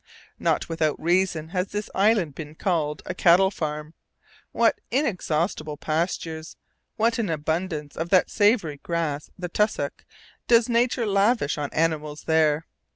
Not without reason has this island been called "a cattle farm." What inexhaustible pastures, what an abundance of that savoury grass, the tussock, does nature lavish on animals there!